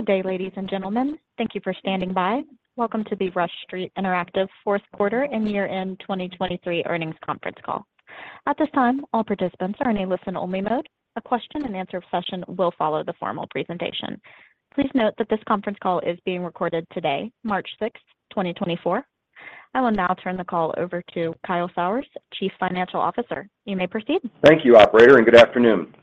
Good day, ladies and gentlemen. Thank you for standing by. Welcome to the Rush Street Interactive Fourth Quarter and Year-End 2023 Earnings Conference Call. At this time, all participants are in a listen-only mode. A question-and-answer session will follow the formal presentation. Please note that this conference call is being recorded today, March 6, 2024. I will now turn the call over to Kyle Sauers, Chief Financial Officer. You may proceed. Thank you, operator, and good afternoon.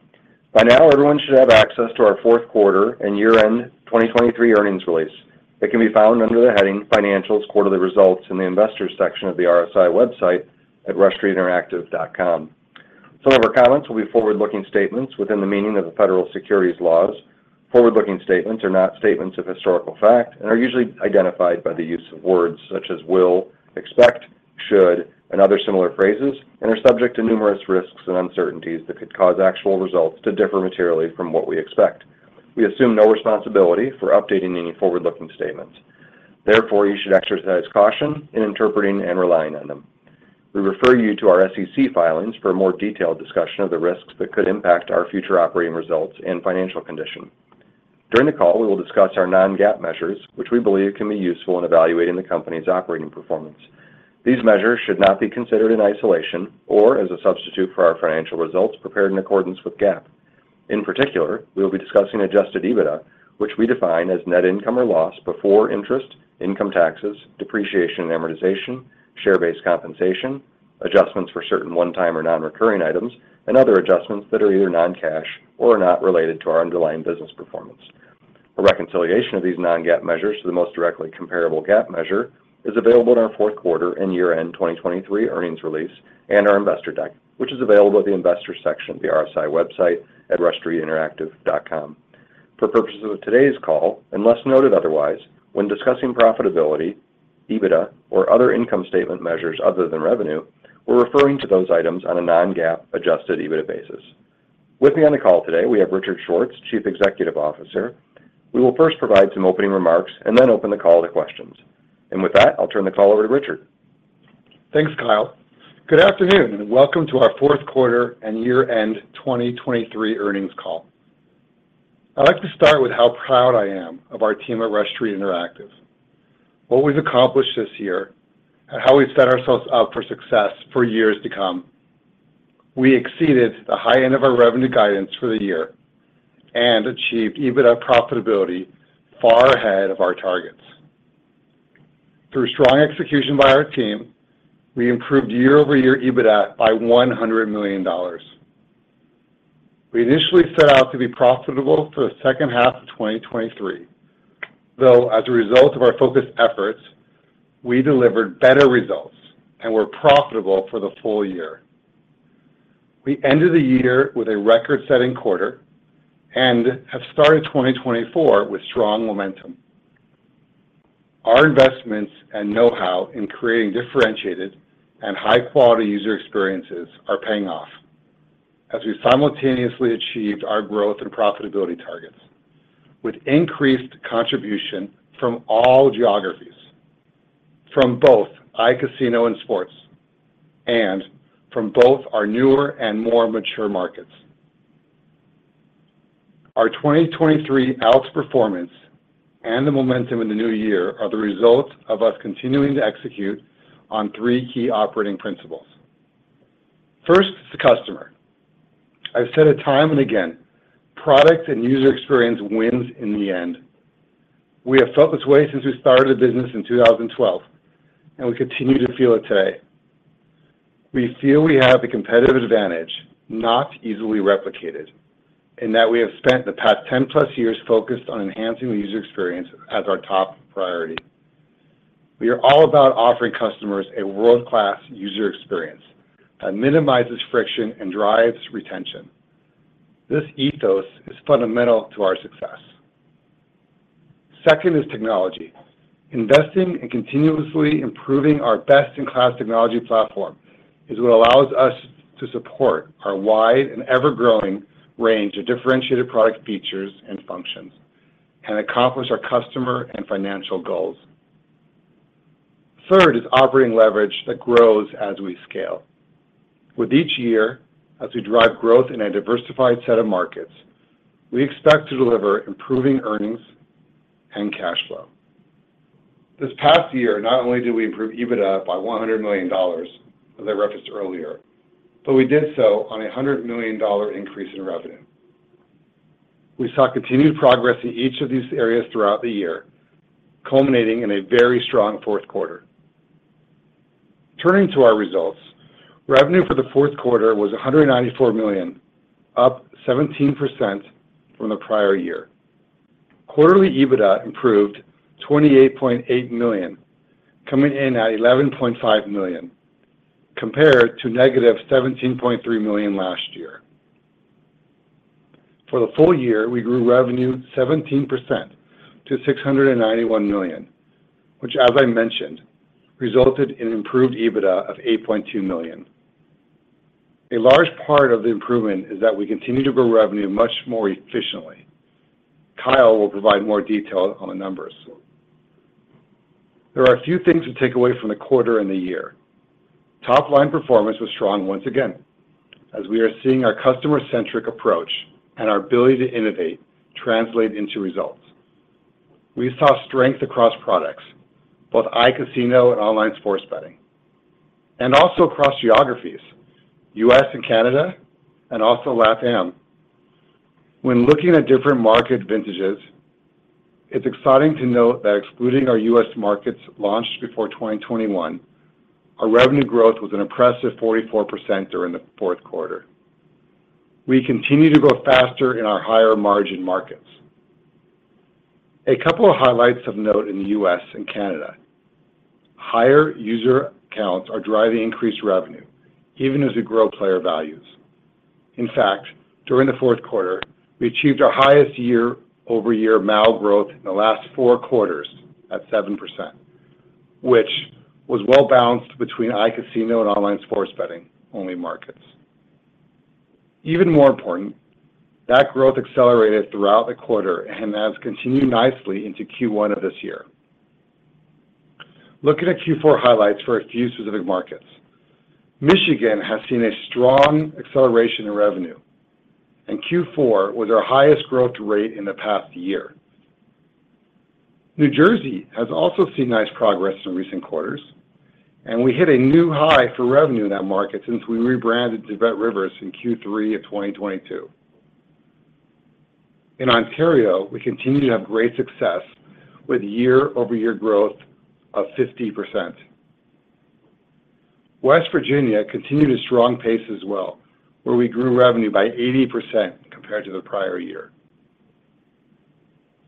By now, everyone should have access to Our Fourth Quarter and Year-End 2023 Earnings Release. It can be found under the heading Financials: Quarterly Results in the Investors section of the RSI website at rushstreetinteractive.com. Some of our comments will be forward-looking statements within the meaning of the federal securities laws. Forward-looking statements are not statements of historical fact and are usually identified by the use of words such as will, expect, should, and other similar phrases, and are subject to numerous risks and uncertainties that could cause actual results to differ materially from what we expect. We assume no responsibility for updating any forward-looking statements. Therefore, you should exercise caution in interpreting and relying on them. We refer you to our SEC filings for a more detailed discussion of the risks that could impact our future operating results and financial condition. During the call, we will discuss our non-GAAP measures, which we believe can be useful in evaluating the company's operating performance. These measures should not be considered in isolation or as a substitute for our financial results prepared in accordance with GAAP. In particular, we will be discussing adjusted EBITDA, which we define as net income or loss before interest, income taxes, depreciation and amortization, share-based compensation, adjustments for certain one-time or non-recurring items, and other adjustments that are either non-cash or are not related to our underlying business performance. A reconciliation of these non-GAAP measures to the most directly comparable GAAP measure is available in our fourth quarter and year-end 2023 earnings release and our investor deck, which is available at the Investors section of the RSI website at rushstreetinteractive.com. For purposes of today's call, unless noted otherwise, when discussing profitability, EBITDA, or other income statement measures other than revenue, we're referring to those items on a non-GAAP adjusted EBITDA basis. With me on the call today, we have Richard Schwartz, Chief Executive Officer. We will first provide some opening remarks and then open the call to questions. With that, I'll turn the call over to Richard. Thanks, Kyle. Good afternoon, and Welcome to Our Fourth Quarter and Year-End 2023 Earnings Call. I'd like to start with how proud I am of our team at Rush Street Interactive, what we've accomplished this year, and how we've set ourselves up for success for years to come. We exceeded the high end of our revenue guidance for the year and achieved EBITDA profitability far ahead of our targets. Through strong execution by our team, we improved year-over-year EBITDA by $100 million. We initially set out to be profitable for the second half of 2023, though as a result of our focused efforts, we delivered better results and were profitable for the full year. We ended the year with a record-setting quarter and have started 2024 with strong momentum. Our investments and know-how in creating differentiated and high-quality user experiences are paying off as we simultaneously achieved our growth and profitability targets with increased contribution from all geographies, from both iCasino and sports, and from both our newer and more mature markets. Our 2023 outperformance and the momentum in the new year are the result of us continuing to execute on three key operating principles. First, the customer. I've said it time and again, product and user experience wins in the end. We have felt this way since we started the business in 2012, and we continue to feel it today. We feel we have a competitive advantage not easily replicated, in that we have spent the past 10+ years focused on enhancing the user experience as our top priority. We are all about offering customers a world-class user experience that minimizes friction and drives retention. This ethos is fundamental to our success. Second is technology. Investing and continuously improving our best-in-class technology platform is what allows us to support our wide and ever-growing range of differentiated product features and functions and accomplish our customer and financial goals. Third is operating leverage that grows as we scale. With each year, as we drive growth in a diversified set of markets, we expect to deliver improving earnings and cash flow. This past year, not only did we improve EBITDA by $100 million, as I referenced earlier, but we did so on a $100 million increase in revenue. We saw continued progress in each of these areas throughout the year, culminating in a very strong fourth quarter. Turning to our results, revenue for the fourth quarter was $194 million, up 17% from the prior year. Quarterly EBITDA improved $28.8 million, coming in at $11.5 million, compared to -$17.3 million last year. For the full year, we grew revenue 17% to $691 million, which, as I mentioned, resulted in improved EBITDA of $8.2 million. A large part of the improvement is that we continue to grow revenue much more efficiently. Kyle will provide more detail on the numbers.... There are a few things to take away from the quarter and the year. Top-line performance was strong once again, as we are seeing our customer-centric approach and our ability to innovate translate into results. We saw strength across products, both iCasino Online Sports betting, and also across geographies, U.S. and Canada, and also LatAm. When looking at different market vintages, it's exciting to note that excluding our U.S. markets launched before 2021, our revenue growth was an impressive 44% during the fourth quarter. We continue to grow faster in our higher margin markets. A couple of highlights of note in the U.S. and Canada. Higher user accounts are driving increased revenue, even as we grow player values. In fact, during the fourth quarter, we achieved our highest year-over-year MAU growth in the last four quarters at 7%, which was well balanced between iCasino Online Sports betting only markets. Even more important, that growth accelerated throughout the quarter and has continued nicely into Q1 of this year. Looking at Q4 highlights for a few specific markets, Michigan has seen a strong acceleration in revenue, and Q4 was our highest growth rate in the past year. New Jersey has also seen nice progress in recent quarters, and we hit a new high for revenue in that market since we rebranded to BetRivers in Q3 of 2022. In Ontario, we continue to have great success with year-over-year growth of 50%. West Virginia continued a strong pace as well, where we grew revenue by 80% compared to the prior year.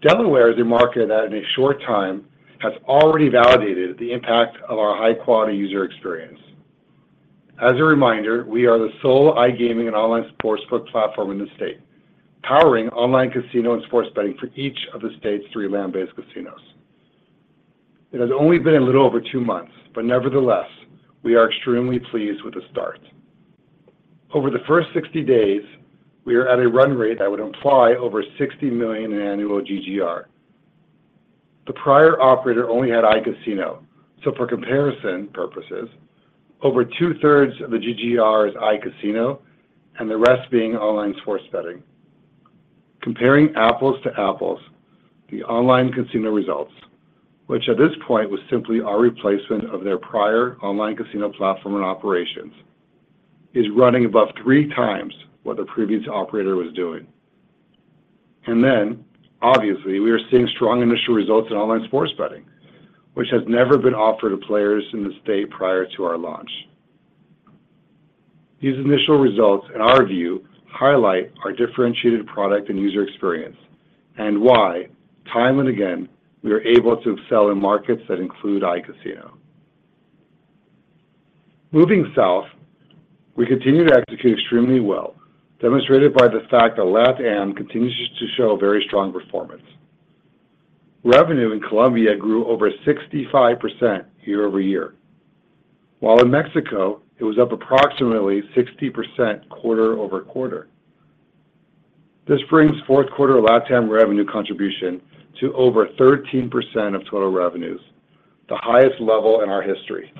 Delaware is a market that in a short time has already validated the impact of our high-quality user experience. As a reminder, we are the sole iGaming and Online Sportsbook platform in the state, powering online casino and sports betting for each of the state's three land-based casinos. It has only been a little over two months, but nevertheless, we are extremely pleased with the start. Over the first 60 days, we are at a run rate that would imply over $60 million in annual GGR. The prior operator only had iCasino, so for comparison purposes, over 2/3 of the GGR is iCasino, and the rest Online Sports betting. comparing apples to apples, the online casino results, which at this point was simply our replacement of their prior online casino platform and operations, is running above three times what the previous operator was doing. And then, obviously, we are seeing strong initial results Online Sports betting, which has never been offered to players in the state prior to our launch. These initial results, in our view, highlight our differentiated product and user experience, and why, time and again, we are able to excel in markets that include iCasino. Moving south, we continue to execute extremely well, demonstrated by the fact that LatAm continues to show very strong performance. Revenue in Colombia grew over 65% year-over-year, while in Mexico, it was up approximately 60% quarter-over-quarter. This brings fourth quarter LatAm revenue contribution to over 13% of total revenues, the highest level in our history.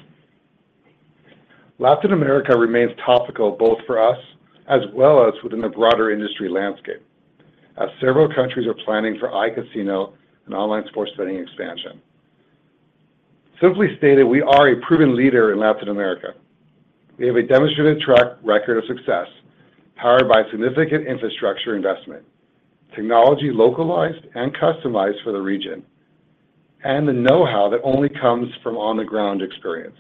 Latin America remains topical both for us as well as within the broader industry landscape, as several countries are planning for iCasino Online Sports Betting expansion. Simply stated, we are a proven leader in Latin America. We have a demonstrated track record of success, powered by significant infrastructure investment, technology localized and customized for the region, and the know-how that only comes from on-the-ground experience.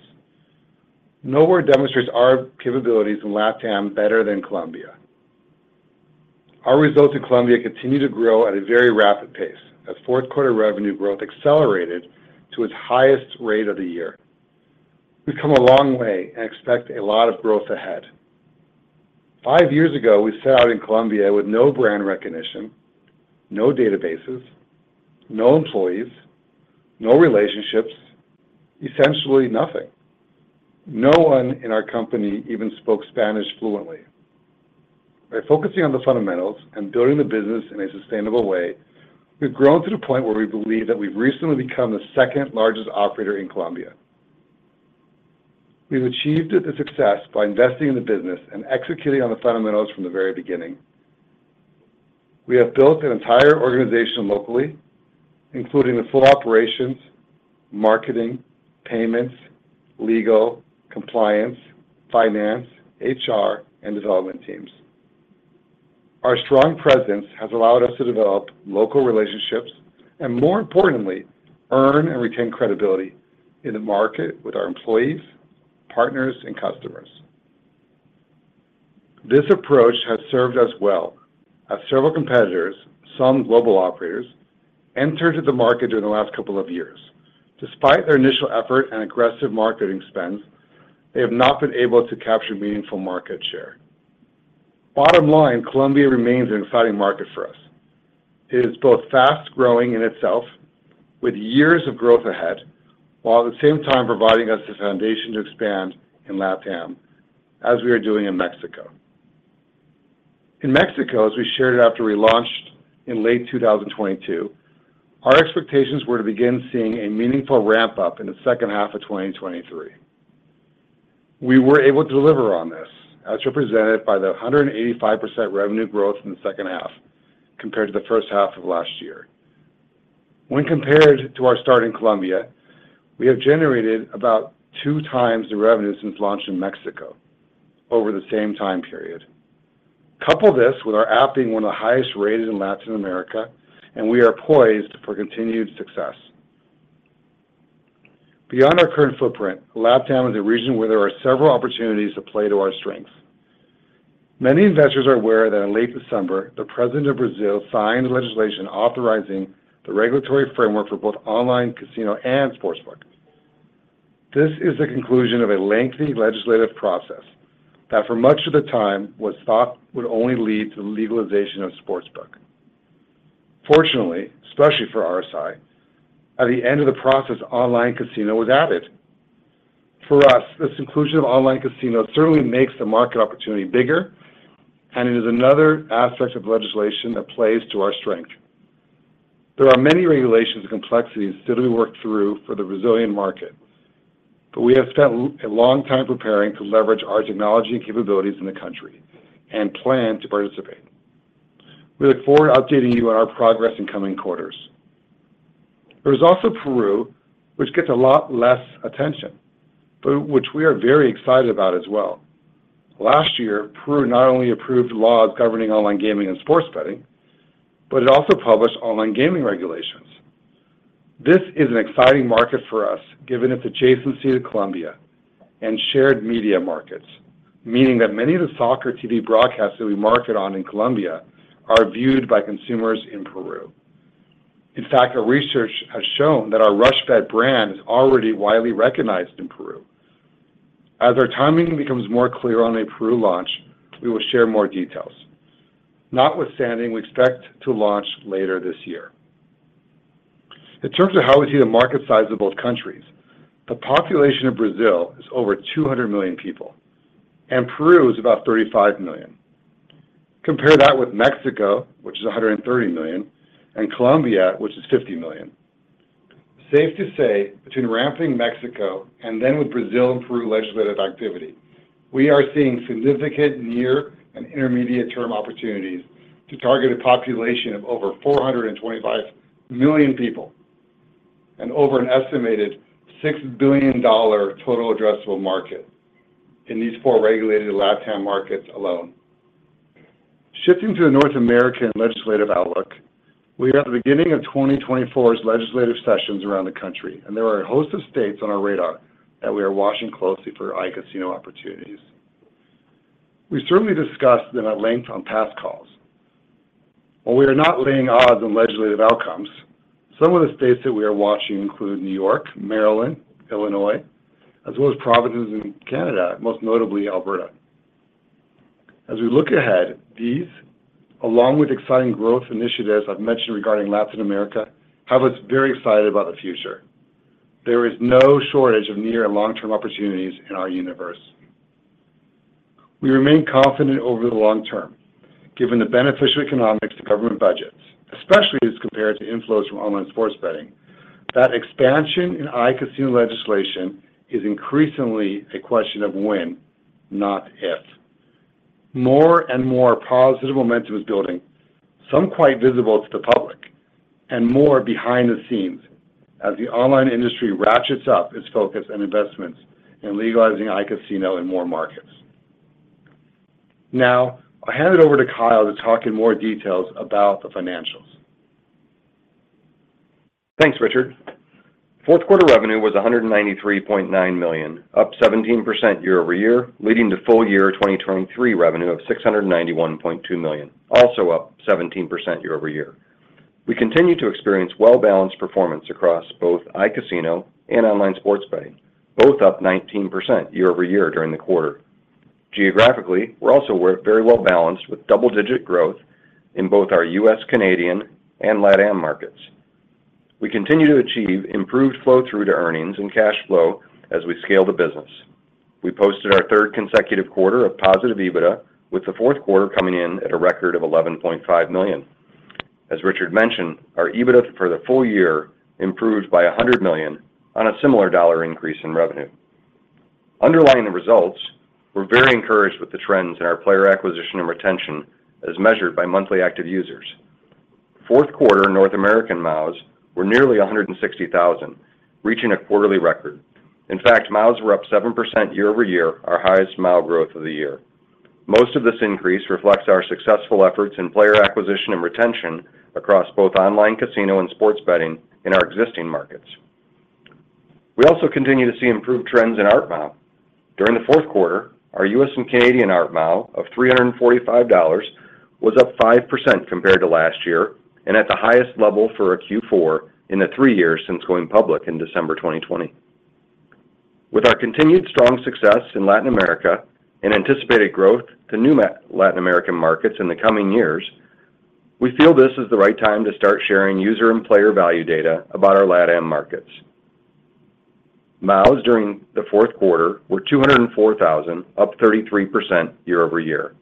Nowhere demonstrates our capabilities in LatAm better than Colombia. Our results in Colombia continue to grow at a very rapid pace, as fourth quarter revenue growth accelerated to its highest rate of the year. We've come a long way and expect a lot of growth ahead. Five years ago, we set out in Colombia with no brand recognition, no databases, no employees, no relationships, essentially nothing. No one in our company even spoke Spanish fluently. By focusing on the fundamentals and building the business in a sustainable way, we've grown to the point where we believe that we've recently become the second-largest operator in Colombia. We've achieved the success by investing in the business and executing on the fundamentals from the very beginning. We have built an entire organization locally, including the full operations, marketing, payments, legal, compliance, finance, HR, and development teams. Our strong presence has allowed us to develop local relationships and, more importantly, earn and retain credibility in the market with our employees, partners, and customers. This approach has served us well as several competitors, some global operators, entered the market during the last couple of years. Despite their initial effort and aggressive marketing spends, they have not been able to capture meaningful market share. Bottom line, Colombia remains an exciting market for us. It is both fast-growing in itself, with years of growth ahead, while at the same time providing us the foundation to expand in LatAm, as we are doing in Mexico... In Mexico, as we shared after we launched in late 2022, our expectations were to begin seeing a meaningful ramp-up in the second half of 2023. We were able to deliver on this, as represented by the 185% revenue growth in the second half compared to the first half of last year. When compared to our start in Colombia, we have generated about 2x the revenue since launch in Mexico over the same time period. Couple this with our app being one of the highest rated in Latin America, and we are poised for continued success. Beyond our current footprint, LatAm is a region where there are several opportunities to play to our strengths. Many investors are aware that in late December, the President of Brazil signed legislation authorizing the regulatory framework for both online casino and sportsbook. This is the conclusion of a lengthy legislative process that, for much of the time, was thought would only lead to the legalization of sportsbook. Fortunately, especially for RSI, at the end of the process, online casino was added. For us, this inclusion of online casino certainly makes the market opportunity bigger, and it is another aspect of legislation that plays to our strength. There are many regulations and complexities still to be worked through for the Brazilian market, but we have spent a long time preparing to leverage our technology and capabilities in the country and plan to participate. We look forward to updating you on our progress in coming quarters. There is also Peru, which gets a lot less attention, but which we are very excited about as well. Last year, Peru not only approved laws governing online gaming and sports betting, but it also published online gaming regulations. This is an exciting market for us, given its adjacency to Colombia and shared media markets, meaning that many of the soccer TV broadcasts that we market on in Colombia are viewed by consumers in Peru. In fact, our research has shown that our RushBet brand is already widely recognized in Peru. As our timing becomes more clear on a Peru launch, we will share more details. Notwithstanding, we expect to launch later this year. In terms of how we see the market size of both countries, the population of Brazil is over 200 million people, and Peru is about 35 million. Compare that with Mexico, which is 130 million, and Colombia, which is 50 million. Safe to say, between ramping Mexico and then with Brazil and Peru legislative activity, we are seeing significant near and intermediate-term opportunities to target a population of over 425 million people and over an estimated $6 billion total addressable market in these four regulated LatAm markets alone. Shifting to the North American legislative outlook, we are at the beginning of 2024's legislative sessions around the country, and there are a host of states on our radar that we are watching closely for iCasino opportunities. We certainly discussed them at length on past calls. While we are not laying odds on legislative outcomes, some of the states that we are watching include New York, Maryland, Illinois, as well as provinces in Canada, most notably Alberta. As we look ahead, these, along with exciting growth initiatives I've mentioned regarding Latin America, have us very excited about the future. There is no shortage of near and long-term opportunities in our universe. We remain confident over the long term, given the beneficial economics to government budgets, especially as compared to inflows Online Sports Betting, that expansion in iCasino legislation is increasingly a question of when, not if. More and more positive momentum is building, some quite visible to the public and more behind the scenes as the online industry ratchets up its focus and investments in legalizing iCasino in more markets. Now, I'll hand it over to Kyle to talk in more details about the financials. Thanks, Richard. Fourth quarter revenue was $193.9 million, up 17% year-over-year, leading to full year 2023 revenue of $691.2 million, also up 17% year-over-year. We continue to experience well-balanced performance across both iCasino Online Sports Betting, both up 19% year-over-year during the quarter. Geographically, we're also very well-balanced, with double-digit growth in both our U.S., Canadian, and LatAm markets. We continue to achieve improved flow-through to earnings and cash flow as we scale the business. We posted our third consecutive quarter of positive EBITDA, with the fourth quarter coming in at a record of $11.5 million. As Richard mentioned, our EBITDA for the full year improved by $100 million on a similar dollar increase in revenue. Underlying the results, we're very encouraged with the trends in our player acquisition and retention as measured by monthly active users. Fourth quarter North American MAUs were nearly 160,000, reaching a quarterly record. In fact, MAUs were up 7% year-over-year, our highest MAU growth of the year. Most of this increase reflects our successful efforts in player acquisition and retention across both online casino and sports betting in our existing markets. We also continue to see improved trends in ARPDAU. During the fourth quarter, our U.S. and Canadian ARPDAU of $345 was up 5% compared to last year and at the highest level for a Q4 in the three years since going public in December 2020. With our continued strong success in Latin America and anticipated growth to new Latin American markets in the coming years, we feel this is the right time to start sharing user and player value data about our LatAm markets. MAUs during the fourth quarter were 204,000, up 33% year-over-year.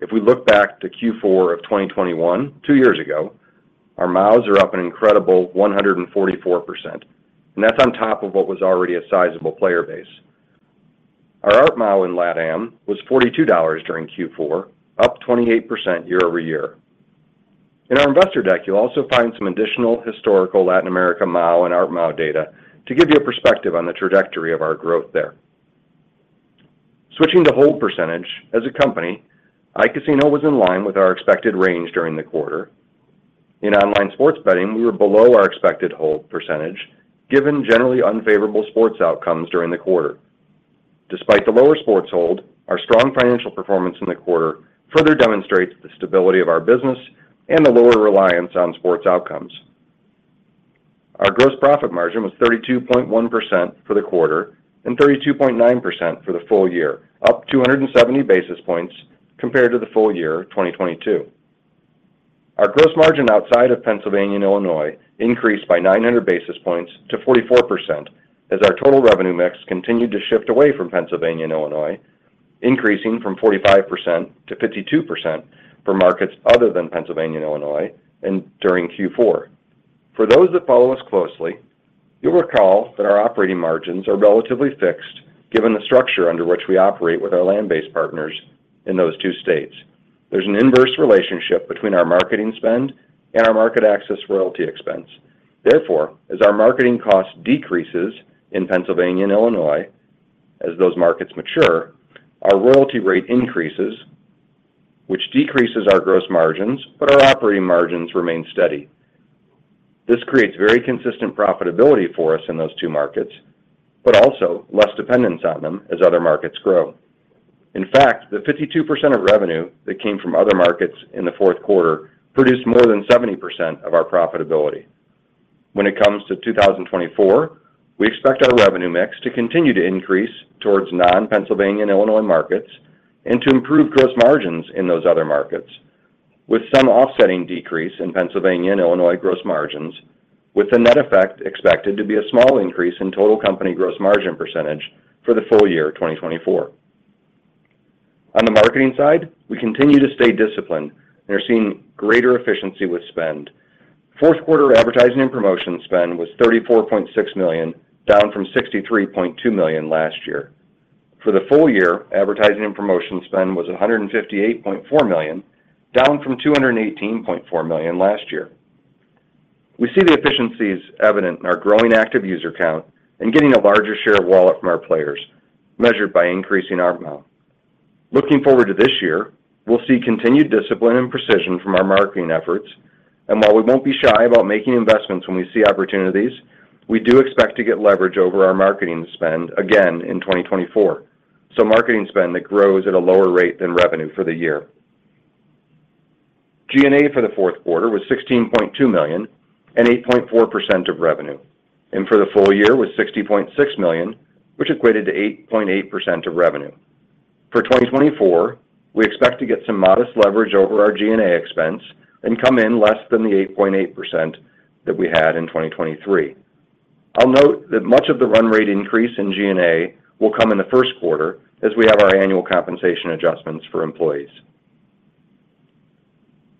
If we look back to Q4 of 2021, two years ago, our MAUs are up an incredible 144%, and that's on top of what was already a sizable player base. Our ARPMAU in LATAM was $42 during Q4, up 28% year-over-year. In our investor deck, you'll also find some additional historical Latin America MAU and ARPMAU data to give you a perspective on the trajectory of our growth there. Switching to hold percentage, as a company, iCasino was in line with our expected range during the quarter. Online Sports Betting, we were below our expected hold percentage, given generally unfavorable sports outcomes during the quarter. Despite the lower sports hold, our strong financial performance in the quarter further demonstrates the stability of our business and the lower reliance on sports outcomes. Our gross profit margin was 32.1% for the quarter and 32.9% for the full year, up 270 basis points compared to the full year, 2022. Our gross margin outside of Pennsylvania and Illinois increased by 900 basis points to 44%, as our total revenue mix continued to shift away from Pennsylvania and Illinois, increasing from 45%-52% for markets other than Pennsylvania and Illinois, and during Q4. For those that follow us closely, you'll recall that our operating margins are relatively fixed, given the structure under which we operate with our land-based partners in those two states. There's an inverse relationship between our marketing spend and our market access royalty expense. Therefore, as our marketing cost decreases in Pennsylvania and Illinois, as those markets mature, our royalty rate increases, which decreases our gross margins, but our operating margins remain steady. This creates very consistent profitability for us in those two markets, but also less dependence on them as other markets grow. In fact, the 52% of revenue that came from other markets in the fourth quarter produced more than 70% of our profitability. When it comes to 2024, we expect our revenue mix to continue to increase towards non-Pennsylvania and Illinois markets and to improve gross margins in those other markets, with some offsetting decrease in Pennsylvania and Illinois gross margins, with the net effect expected to be a small increase in total company gross margin percentage for the full year of 2024. On the marketing side, we continue to stay disciplined and are seeing greater efficiency with spend. Fourth quarter advertising and promotion spend was $34.6 million, down from $63.2 million last year. For the full year, advertising and promotion spend was $158.4 million, down from $218.4 million last year. We see the efficiencies evident in our growing active user count and getting a larger share of wallet from our players, measured by increasing ARPMAU. Looking forward to this year, we'll see continued discipline and precision from our marketing efforts, and while we won't be shy about making investments when we see opportunities, we do expect to get leverage over our marketing spend again in 2024, so marketing spend that grows at a lower rate than revenue for the year. G&A for the fourth quarter was $16.2 million and 8.4% of revenue, and for the full year was $60.6 million, which equated to 8.8% of revenue. For 2024, we expect to get some modest leverage over our G&A expense and come in less than the 8.8% that we had in 2023. I'll note that much of the run rate increase in G&A will come in the first quarter, as we have our annual compensation adjustments for employees.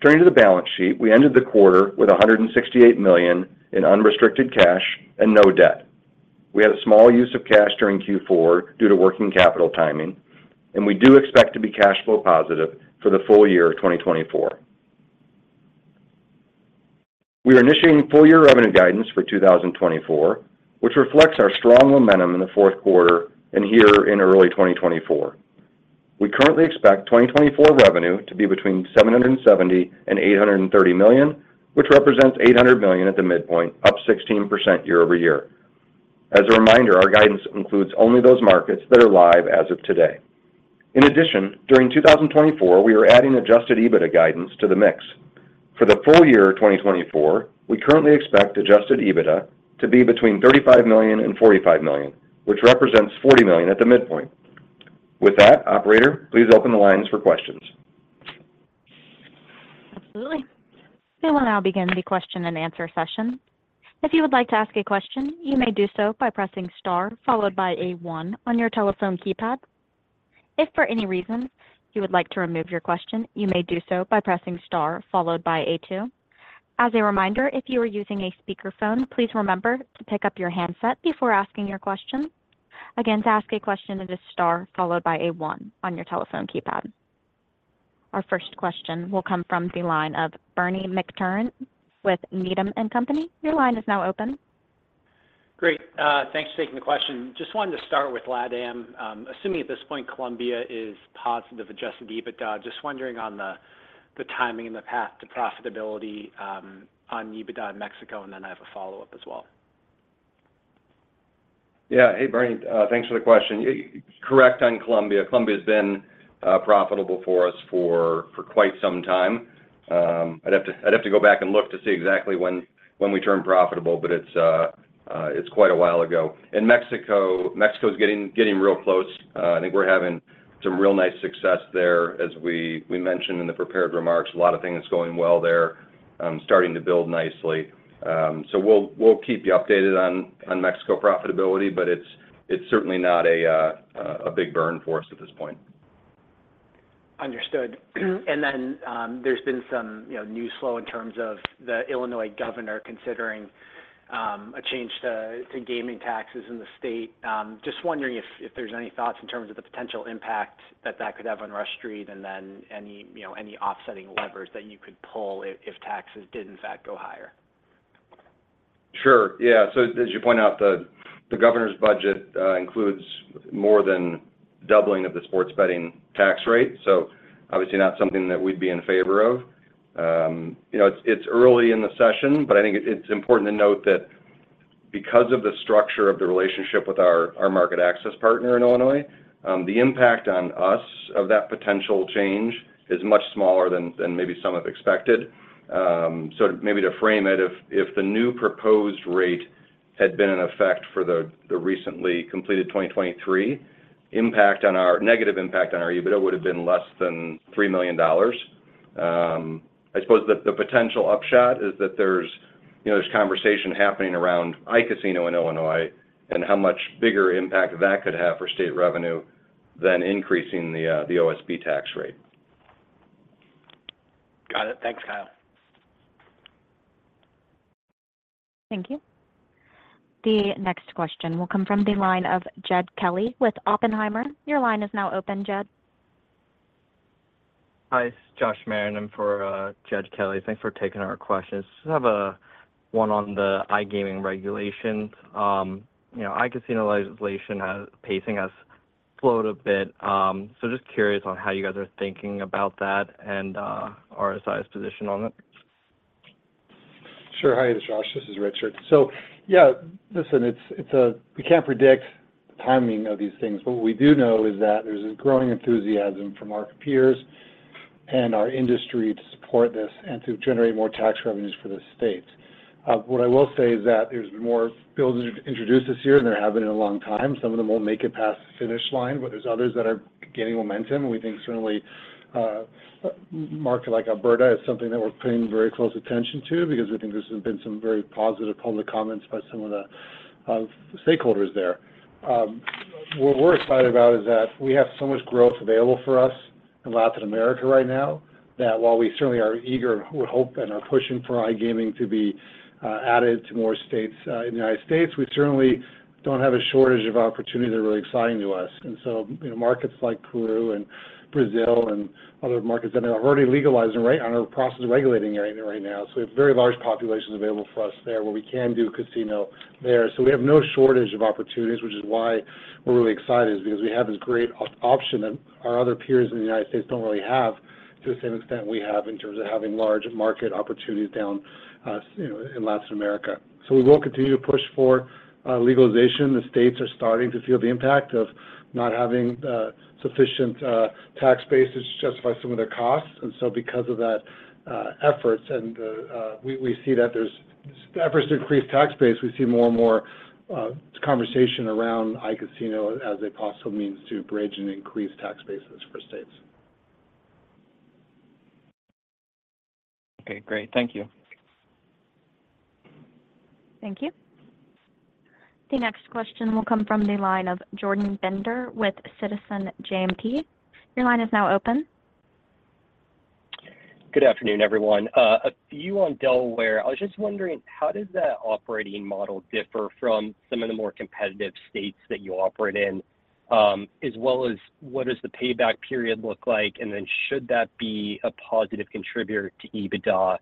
Turning to the balance sheet, we ended the quarter with $168 million in unrestricted cash and no debt. We had a small use of cash during Q4 due to working capital timing, and we do expect to be cash flow positive for the full year of 2024. We are initiating full-year revenue guidance for 2024, which reflects our strong momentum in the fourth quarter and here in early 2024. We currently expect 2024 revenue to be between $770 million and $830 million, which represents $800 million at the midpoint, up 16% year-over-year. As a reminder, our guidance includes only those markets that are live as of today. In addition, during 2024, we are adding adjusted EBITDA guidance to the mix. For the full year of 2024, we currently expect adjusted EBITDA to be between $35 million and $45 million, which represents $40 million at the midpoint. With that, operator, please open the lines for questions. Absolutely. We will now begin the question-and-answer session. If you would like to ask a question, you may do so by pressing star, followed by A1 on your telephone keypad. If for any reason you would like to remove your question, you may do so by pressing star, followed by A2. As a reminder, if you are using a speakerphone, please remember to pick up your handset before asking your question. Again, to ask a question, it is star, followed by A1 on your telephone keypad. Our first question will come from the line of Bernie McTernan with Needham & Company. Your line is now open. Great. Thanks for taking the question. Just wanted to start with LatAm. Assuming at this point, Colombia is positive Adjusted EBITDA, just wondering on the, the timing and the path to profitability, on EBITDA in Mexico, and then I have a follow-up as well. Yeah. Hey, Bernie, thanks for the question. You're correct on Colombia. Colombia has been profitable for us for quite some time. I'd have to go back and look to see exactly when we turned profitable, but it's quite a while ago. In Mexico, Mexico is getting real close. I think we're having some real nice success there. As we mentioned in the prepared remarks, a lot of things going well there. Starting to build nicely. So we'll keep you updated on Mexico profitability, but it's certainly not a big burn for us at this point. Understood. And then, there's been some, you know, news flow in terms of the Illinois governor considering a change to gaming taxes in the state. Just wondering if there's any thoughts in terms of the potential impact that that could have on Rush Street, and then any, you know, any offsetting levers that you could pull if taxes did in fact go higher? Sure, yeah. So as you point out, the governor's budget includes more than doubling of the sports betting tax rate, so obviously not something that we'd be in favor of. You know, it's early in the session, but I think it's important to note that because of the structure of the relationship with our market access partner in Illinois, the impact on us of that potential change is much smaller than maybe some have expected. So maybe to frame it, if the new proposed rate had been in effect for the recently completed 2023, negative impact on our EBITDA would have been less than $3 million. I suppose the potential upshot is that there's, you know, there's conversation happening around iCasino in Illinois, and how much bigger impact that could have for state revenue than increasing the OSB tax rate. Got it. Thanks, Kyle. Thank you. The next question will come from the line of Jed Kelly with Oppenheimer. Your line is now open, Jed. Hi, it's Josh Marin, in for Jed Kelly. Thanks for taking our questions. I just have one on the iGaming regulations. You know, iCasino legislation pacing has slowed a bit, so just curious on how you guys are thinking about that and RSI's position on it. Sure. Hi, Josh, this is Richard. So, yeah, listen, it's we can't predict the timing of these things, but what we do know is that there's a growing enthusiasm from our peers and our industry to support this and to generate more tax revenues for the state. What I will say is that there's been more bills introduced this year than there have been in a long time. Some of them won't make it past the finish line, but there's others that are gaining momentum. And we think certainly, a market like Alberta is something that we're paying very close attention to because we think there's been some very positive public comments by some of the stakeholders there. What we're excited about is that we have so much growth available for us in Latin America right now, that while we certainly are eager, we hope and are pushing for iGaming to be added to more states in the United States, we certainly don't have a shortage of opportunities that are really exciting to us. And so, you know, markets like Peru and Brazil and other markets that are already legalizing are in the process of regulating right now. So we have very large populations available for us there, where we can do casino there. So we have no shortage of opportunities, which is why we're really excited, is because we have this great option that our other peers in the United States don't really have to the same extent we have in terms of having large market opportunities down, you know, in Latin America. So we will continue to push for legalization. The states are starting to feel the impact of not having sufficient tax base to justify some of their costs. And so because of that, efforts and, we see that there's efforts to increase tax base, we see more and more conversation around iCasino as a possible means to bridge and increase tax bases for states. Okay, great. Thank you. Thank you. The next question will come from the line of Jordan Bender with Citizens JMP. Your line is now open. Good afternoon, everyone. A few on Delaware. I was just wondering, how does that operating model differ from some of the more competitive states that you operate in? As well as what does the payback period look like, and then should that be a positive contributor to EBITDA,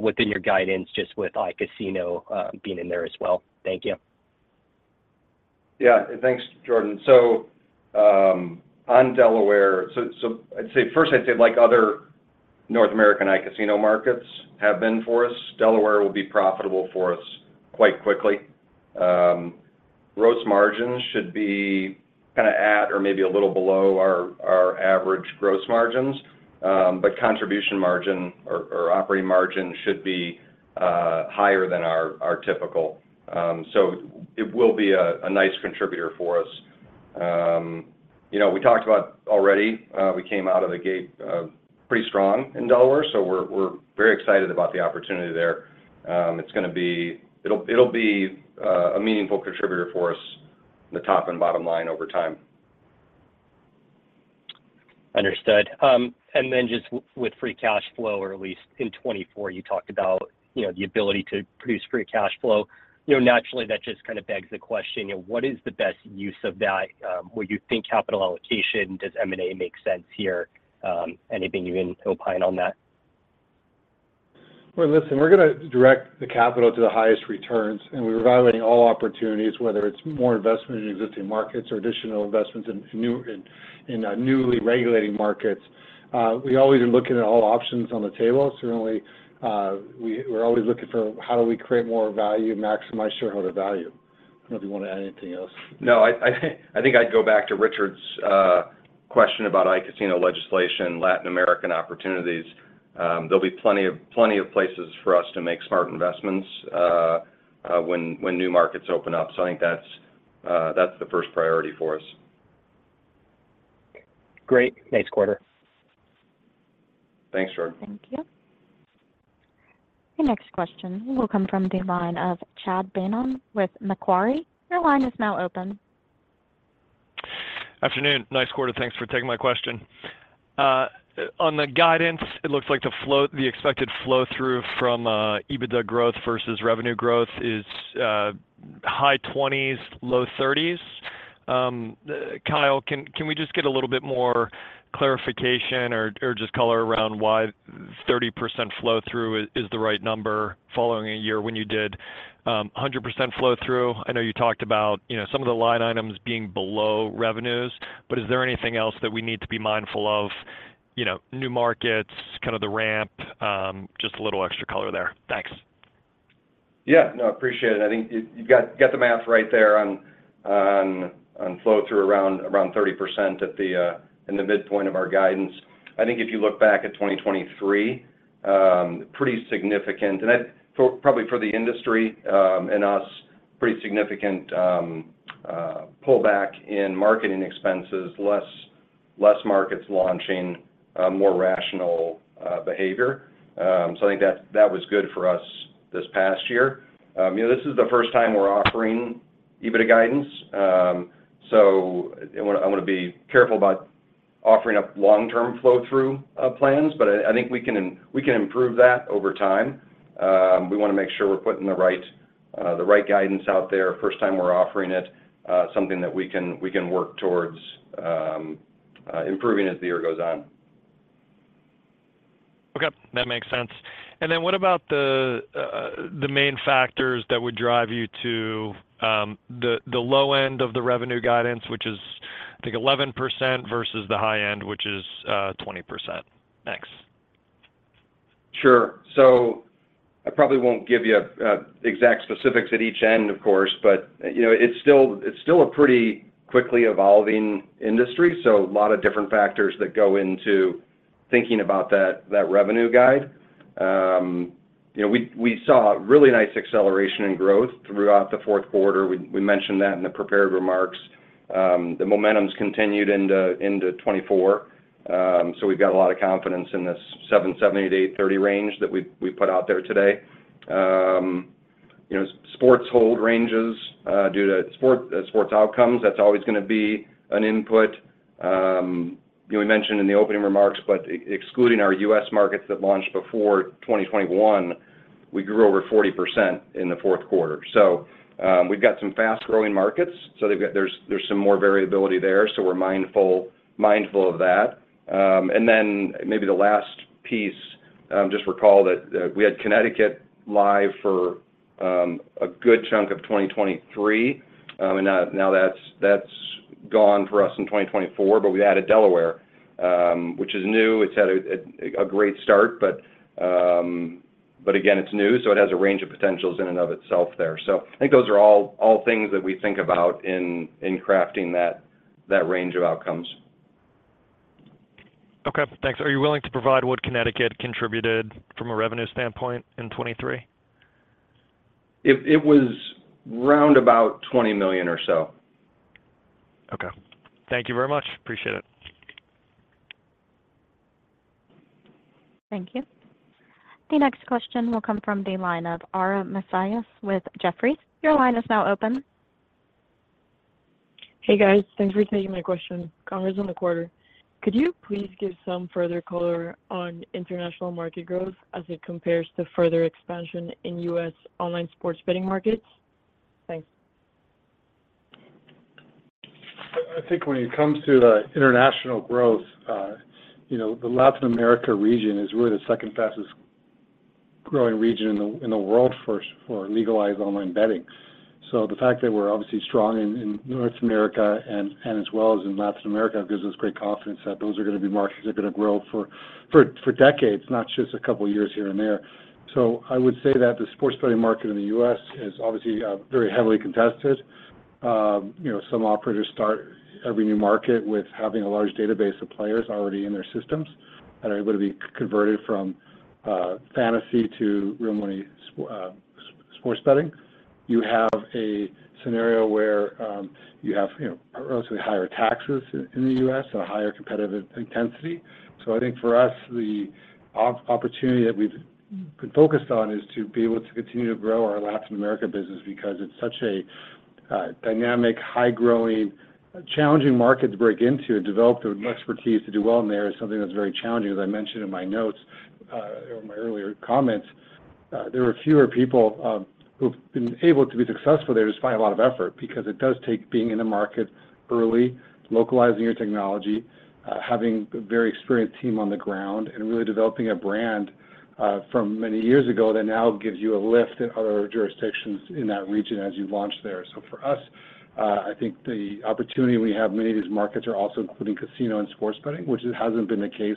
within your guidance, just with iCasino being in there as well? Thank you. Yeah. Thanks, Jordan. So, on Delaware, so I'd say—first, I'd say, like other North American iCasino markets have been for us, Delaware will be profitable for us quite quickly. Gross margins should be kinda at or maybe a little below our average gross margins. But contribution margin or operating margin should be higher than our typical. So it will be a nice contributor for us. You know, we talked about already, we came out of the gate pretty strong in Delaware, so we're very excited about the opportunity there. It's gonna be—it'll be a meaningful contributor for us, the top and bottom line over time. Understood. And then just with free cash flow, or at least in 2024, you talked about, you know, the ability to produce free cash flow. You know, naturally, that just kind of begs the question: you know, what is the best use of that? Would you think capital allocation, does M&A make sense here? Anything you can opine on that? Well, listen, we're going to direct the capital to the highest returns, and we're evaluating all opportunities, whether it's more investment in existing markets or additional investments in new, newly regulating markets. We always are looking at all options on the table. Certainly, we're always looking for how do we create more value, maximize shareholder value. I don't know if you want to add anything else. No, I think I'd go back to Richard's question about iCasino legislation, Latin American opportunities. There'll be plenty of places for us to make smart investments when new markets open up. So I think that's the first priority for us.... Great. Nice quarter. Thanks, Jordan. Thank you. The next question will come from the line of Chad Beynon with Macquarie. Your line is now open. Afternoon. Nice quarter. Thanks for taking my question. On the guidance, it looks like the flow-through from EBITDA growth vs revenue growth is high 20%s, low 30%s. Kyle, can, can we just get a little bit more clarification or, or just color around why 30% flow-through is the right number following a year when you did a 100% flow-through? I know you talked about, you know, some of the line items being below revenues, but is there anything else that we need to be mindful of, you know, new markets, kind of the ramp? Just a little extra color there. Thanks. Yeah. No, I appreciate it. I think you, you've got, you got the math right there on flow-through around 30% at the in the midpoint of our guidance. I think if you look back at 2023, pretty significant. And for, probably for the industry, and us, pretty significant, pullback in marketing expenses, less markets launching, more rational behavior. So I think that, that was good for us this past year. You know, this is the first time we're offering EBITDA guidance, so I wanna, I wanna be careful about offering up long-term flow-through plans, but I, I think we can we can improve that over time. We wanna make sure we're putting the right, the right guidance out there. First time we're offering it, something that we can, we can work towards, improving as the year goes on. Okay, that makes sense. And then what about the main factors that would drive you to the low end of the revenue guidance, which is, I think, 11% vs the high end, which is 20%? Thanks. Sure. So I probably won't give you exact specifics at each end, of course, but you know, it's still, it's still a pretty quickly evolving industry, so a lot of different factors that go into thinking about that, that revenue guide. You know, we, we saw a really nice acceleration in growth throughout the fourth quarter. We, we mentioned that in the prepared remarks. The momentum's continued into 2024. So we've got a lot of confidence in this $770-$830 range that we, we put out there today. You know, sports hold ranges due to sports outcomes. That's always gonna be an input. You know, we mentioned in the opening remarks, but excluding our U.S. markets that launched before 2021, we grew over 40% in the fourth quarter. So, we've got some fast-growing markets, so they've got, there's some more variability there, so we're mindful of that. And then maybe the last piece, just recall that we had Connecticut live for a good chunk of 2023. And now that's gone for us in 2024, but we've added Delaware, which is new. It's had a great start, but again, it's new, so it has a range of potentials in and of itself there. So I think those are all things that we think about in crafting that range of outcomes. Okay, thanks. Are you willing to provide what Connecticut contributed from a revenue standpoint in 2023? It was round about $20 million or so. Okay. Thank you very much. Appreciate it. Thank you. The next question will come from the line of Ara Masias with Jefferies. Your line is now open. Hey, guys. Thanks for taking my question. Congrats on the quarter. Could you please give some further color on international market growth as it compares to further expansion in Online Sports Betting markets? Thanks. I think when it comes to the international growth, you know, the Latin America region is really the second fastest growing region in the world for legalized online betting. So the fact that we're obviously strong in North America and as well as in Latin America gives us great confidence that those are gonna be markets are gonna grow for decades, not just a couple of years here and there. So I would say that the sports betting market in the U.S. is obviously very heavily contested. You know, some operators start every new market with having a large database of players already in their systems that are able to be converted from fantasy to real money sports betting. You have a scenario where, you have, you know, relatively higher taxes in the U.S., so higher competitive intensity. So I think for us, the opportunity that we've been focused on is to be able to continue to grow our Latin America business because it's such a dynamic, high-growing, challenging market to break into and develop the expertise to do well in there, is something that's very challenging. As I mentioned in my notes, or my earlier comments, there are fewer people who've been able to be successful there, despite a lot of effort, because it does take being in the market early, localizing your technology, having a very experienced team on the ground, and really developing a brand from many years ago that now gives you a lift in other jurisdictions in that region as you launch there. So for us, I think the opportunity we have, many of these markets are also including casino and sports betting, which hasn't been the case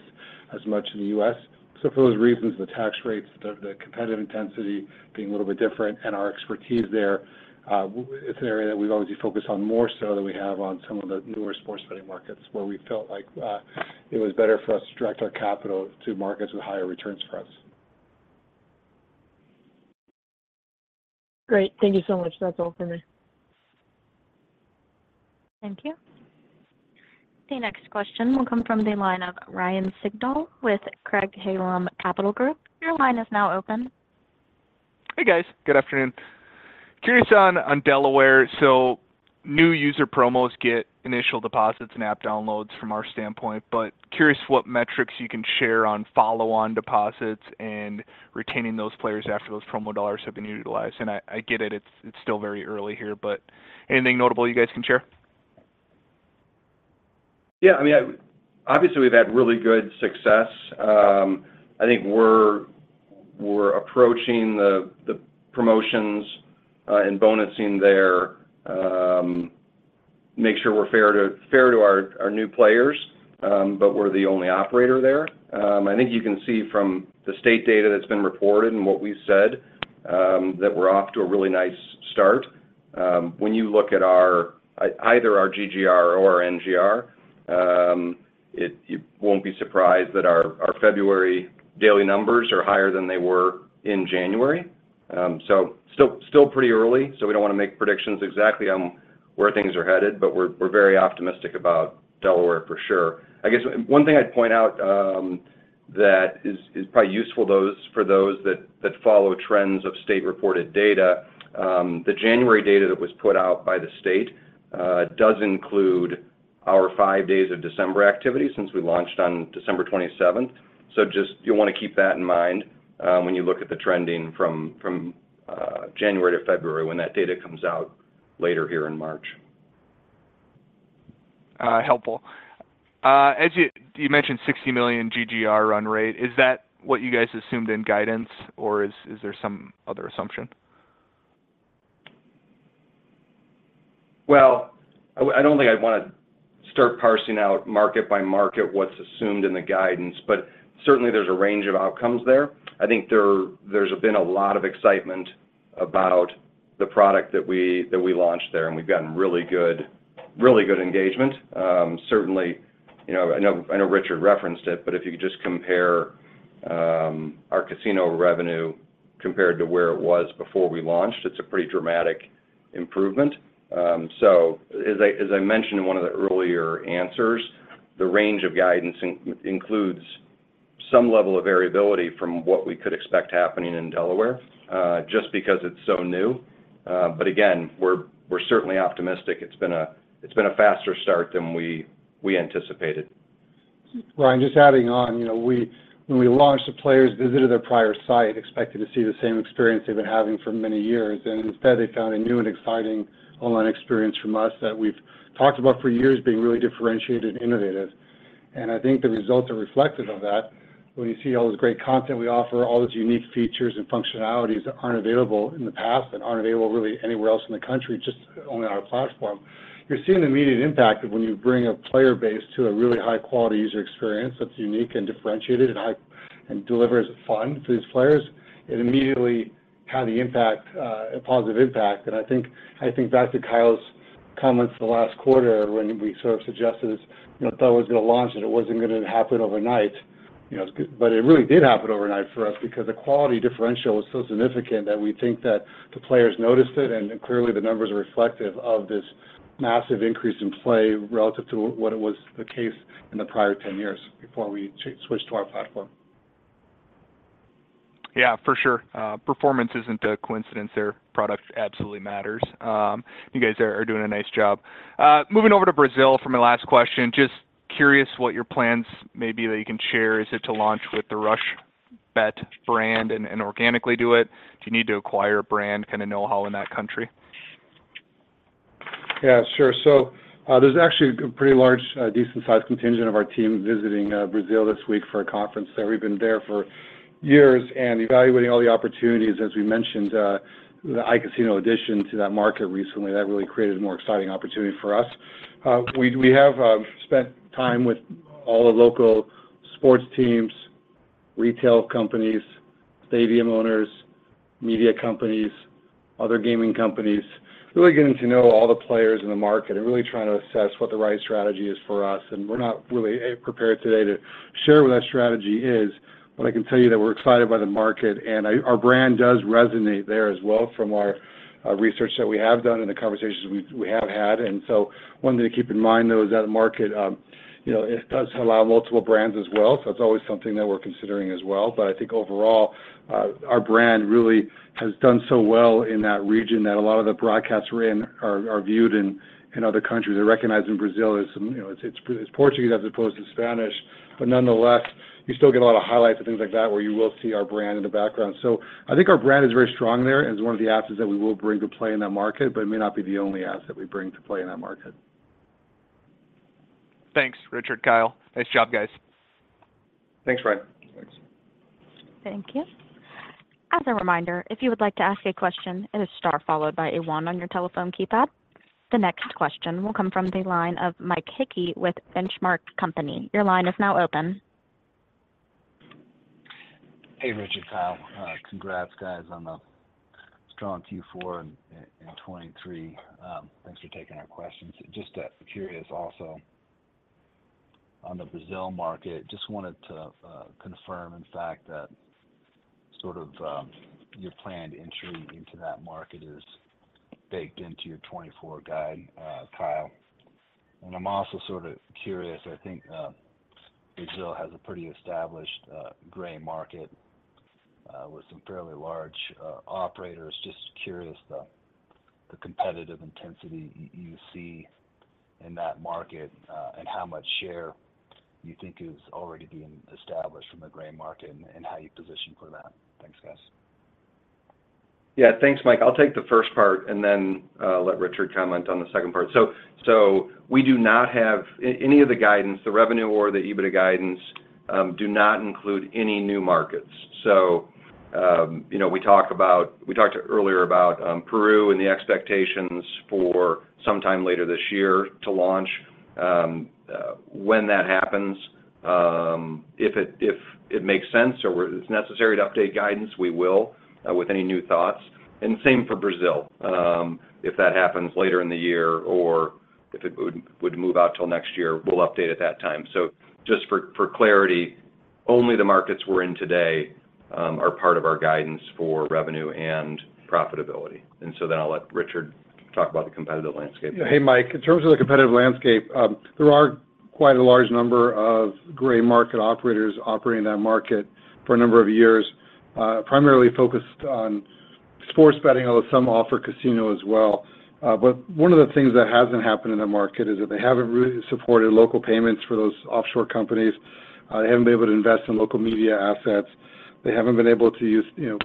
as much in the U.S. So for those reasons, the tax rates, the competitive intensity being a little bit different and our expertise there, it's an area that we've obviously focused on more so than we have on some of the newer sports betting markets, where we felt like, it was better for us to direct our capital to markets with higher returns for us. Great. Thank you so much. That's all for me. Thank you. The next question will come from the line of Ryan Sigdahl with Craig-Hallum Capital Group. Your line is now open. Hey, guys. Good afternoon. Curious on Delaware. So new user promos get initial deposits and app downloads from our standpoint, but curious what metrics you can share on follow-on deposits and retaining those players after those promo dollars have been utilized. I get it, it's still very early here, but anything notable you guys can share? Yeah, I mean, obviously, we've had really good success. I think we're approaching the promotions and bonusing there, make sure we're fair to our new players, but we're the only operator there. I think you can see from the state data that's been reported and what we've said that we're off to a really nice start. When you look at our either our GGR or our NGR, you won't be surprised that our February daily numbers are higher than they were in January. So still pretty early, so we don't want to make predictions exactly on where things are headed, but we're very optimistic about Delaware for sure. I guess one thing I'd point out, that is probably useful for those that follow trends of state-reported data, the January data that was put out by the state does include our five days of December activity since we launched on December 27th. So just you want to keep that in mind, when you look at the trending from January to February, when that data comes out later here in March. Helpful. As you mentioned $60 million GGR run rate, is that what you guys assumed in guidance, or is there some other assumption? Well, I don't think I'd want to start parsing out market by market what's assumed in the guidance, but certainly there's a range of outcomes there. I think there's been a lot of excitement about the product that we launched there, and we've gotten really good engagement. Certainly, you know, I know Richard referenced it, but if you could just compare our casino revenue compared to where it was before we launched, it's a pretty dramatic improvement. So as I mentioned in one of the earlier answers, the range of guidance includes some level of variability from what we could expect happening in Delaware, just because it's so new. But again, we're certainly optimistic. It's been a faster start than we anticipated. Ryan, just adding on, you know, we, when we launched, the players visited our prior site, expected to see the same experience they've been having for many years, and instead, they found a new and exciting online experience from us that we've talked about for years being really differentiated and innovative. I think the results are reflective of that. When you see all this great content we offer, all these unique features and functionalities that aren't available in the past and aren't available really anywhere else in the country, just only on our platform. You're seeing the immediate impact of when you bring a player base to a really high-quality user experience that's unique and differentiated and high and delivers fun to these players. It immediately had the impact, a positive impact. And I think back to Kyle's comments the last quarter when we sort of suggested, you know, if that was going to launch, and it wasn't going to happen overnight, you know, but it really did happen overnight for us because the quality differential was so significant that we think that the players noticed it, and clearly, the numbers are reflective of this massive increase in play relative to what it was the case in the prior ten years before we switched to our platform. Yeah, for sure. Performance isn't a coincidence there. Product absolutely matters. You guys are doing a nice job. Moving over to Brazil for my last question. Just curious what your plans may be that you can share. Is it to launch with the RushBet brand and organically do it? Do you need to acquire a brand, kind of know-how in that country? Yeah, sure. So, there's actually a pretty large, decent-sized contingent of our team visiting, Brazil this week for a conference there. We've been there for years and evaluating all the opportunities. As we mentioned, the iCasino addition to that market recently, that really created a more exciting opportunity for us. We have spent time with all the local sports teams, retail companies, stadium owners, media companies, other gaming companies, really getting to know all the players in the market and really trying to assess what the right strategy is for us. And we're not really prepared today to share what that strategy is, but I can tell you that we're excited by the market, and our brand does resonate there as well from our research that we have done and the conversations we have had. And so one thing to keep in mind, though, is that the market, you know, it does allow multiple brands as well, so it's always something that we're considering as well. But I think overall, our brand really has done so well in that region that a lot of the broadcasts we're in are viewed in other countries and recognized in Brazil as, you know, it's Portuguese as opposed to Spanish. But nonetheless, you still get a lot of highlights and things like that, where you will see our brand in the background. So I think our brand is very strong there and is one of the assets that we will bring to play in that market, but it may not be the only asset we bring to play in that market. Thanks, Richard, Kyle. Nice job, guys. Thanks, Ryan. Thanks. Thank you. As a reminder, if you would like to ask a question, it is star followed by a one on your telephone keypad. The next question will come from the line of Mike Hickey with Benchmark Company. Your line is now open. Hey, Richard, Kyle. Congrats, guys, on the strong Q4 in 2023. Thanks for taking our questions. Just curious also on the Brazil market, just wanted to confirm, in fact, that sort of your planned entry into that market is baked into your 2024 guide, Kyle. And I'm also sort of curious, I think, Brazil has a pretty established gray market with some fairly large operators. Just curious, the competitive intensity you see in that market, and how much share you think is already being established from the gray market and how you position for that? Thanks, guys. Yeah, thanks, Mike. I'll take the first part, and then let Richard comment on the second part. So we do not have any of the guidance, the revenue or the EBITDA guidance, do not include any new markets. So you know, we talked earlier about Peru and the expectations for sometime later this year to launch. When that happens, if it makes sense or if it's necessary to update guidance, we will with any new thoughts, and same for Brazil. If that happens later in the year, or if it would move out till next year, we'll update at that time. So just for clarity, only the markets we're in today are part of our guidance for revenue and profitability. And so then I'll let Richard talk about the competitive landscape. Hey, Mike. In terms of the competitive landscape, there are quite a large number of gray market operators operating in that market for a number of years, primarily focused on sports betting, although some offer casino as well. But one of the things that hasn't happened in that market is that they haven't really supported local payments for those offshore companies. They haven't been able to invest in local media assets. They haven't been able to use, you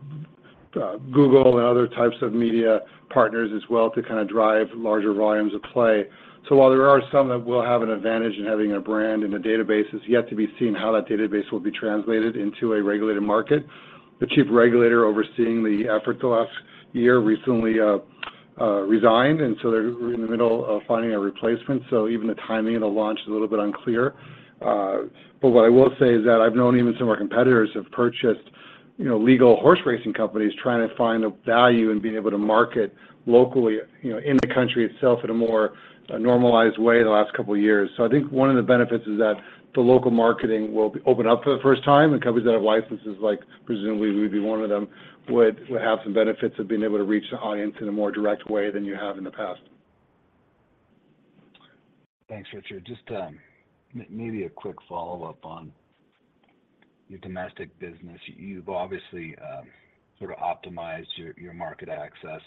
know, Google and other types of media partners as well to kinda drive larger volumes of play. So while there are some that will have an advantage in having a brand and a database, it's yet to be seen how that database will be translated into a regulated market. The chief regulator overseeing the effort the last year recently resigned, and so they're in the middle of finding a replacement, so even the timing of the launch is a little bit unclear. But what I will say is that I've known even some of our competitors have purchased, you know, legal horse racing companies trying to find a value in being able to market locally, you know, in the country itself in a more normalized way in the last couple of years. So I think one of the benefits is that the local marketing will be open up for the first time, and companies that have licenses, like presumably we'd be one of them, will have some benefits of being able to reach the audience in a more direct way than you have in the past. Thanks, Richard. Just maybe a quick follow-up on your domestic business. You've obviously sort of optimized your market access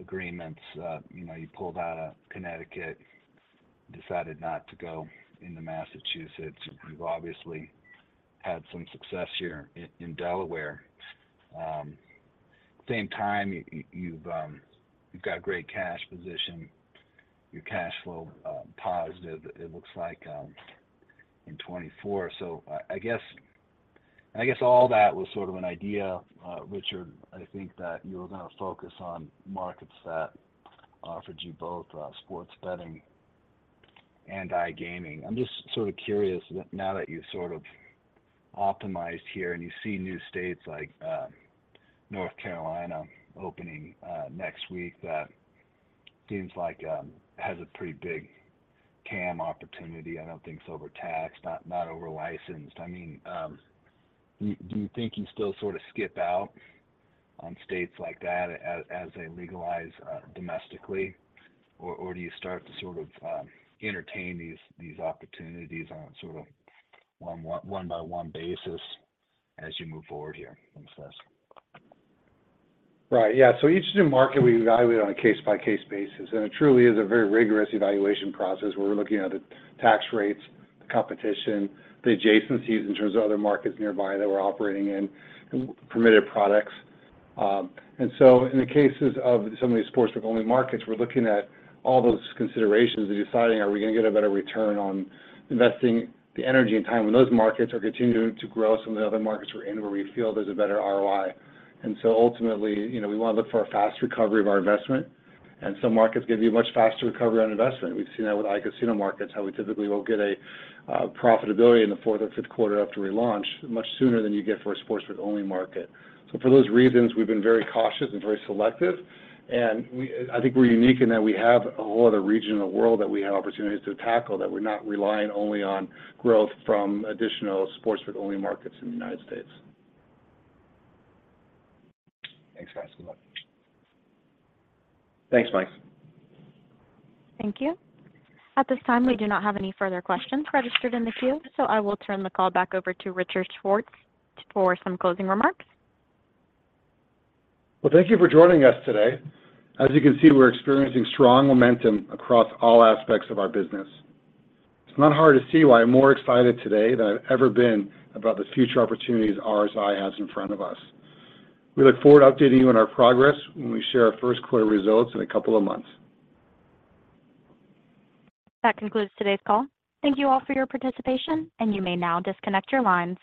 agreements. You know, you pulled out of Connecticut, decided not to go into Massachusetts. You've obviously had some success here in Delaware. At the same time, you've got a great cash position. You're cash flow positive, it looks like, in 2024. So I guess all that was sort of an idea, Richard. I think that you were gonna focus on markets that offered you both sports betting and iGaming. I'm just sort of curious, now that you've sort of optimized here and you see new states like North Carolina opening next week, that seems like has a pretty big TAM opportunity. I don't think it's overtaxed, not over-licensed. I mean, do you think you still sort of skip out on states like that as they legalize domestically? Or do you start to sort of entertain these opportunities on sort of one-by-one basis as you move forward here in the States? Right. Yeah, so each new market, we evaluate on a case-by-case basis, and it truly is a very rigorous evaluation process, where we're looking at the tax rates, the competition, the adjacencies in terms of other markets nearby that we're operating in, and permitted products. And so in the cases of some of these sports-first only markets, we're looking at all those considerations and deciding, are we going to get a better return on investing the energy and time in those markets or continuing to grow some of the other markets we're in, where we feel there's a better ROI? And so ultimately, you know, we want to look for a fast recovery of our investment, and some markets give you a much faster recovery on investment. We've seen that with iCasino markets, how we typically will get a profitability in the fourth or fifth quarter after we launch, much sooner than you get for a sports betting-only market. So for those reasons, we've been very cautious and very selective, and we, I think we're unique in that we have a whole other region in the world that we have opportunities to tackle, that we're not relying only on growth from additional sports betting-only markets in the United States. Thanks, guys. Good luck. Thanks, Mike. Thank you. At this time, we do not have any further questions registered in the queue, so I will turn the call back over to Richard Schwartz for some closing remarks. Well, thank you for joining us today. As you can see, we're experiencing strong momentum across all aspects of our business. It's not hard to see why I'm more excited today than I've ever been about the future opportunities RSI has in front of us. We look forward to updating you on our progress when we share our first quarter results in a couple of months. That concludes today's call. Thank you all for your participation, and you may now disconnect your lines.